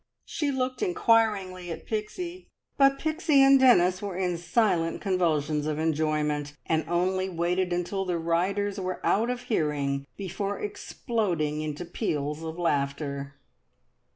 She looked inquiringly at Pixie, but Pixie and Dennis were in silent convulsions of enjoyment, and only waited until the riders were out of hearing before exploding into peals of laughter.